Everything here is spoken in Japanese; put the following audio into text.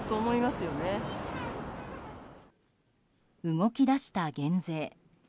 動き出した減税。